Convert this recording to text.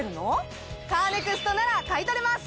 カーネクストなら買い取れます！